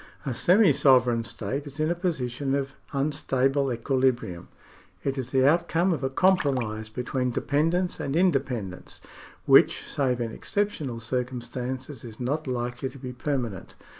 A semi sovereign state is in a position of unstable equi librium. It is the outcome of a compromise between depen dence and independence, which, save in exceptional circum stances, is not likely to be permanent.